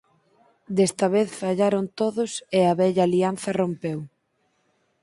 Desta vez fallaron todos e a vella alianza rompeu.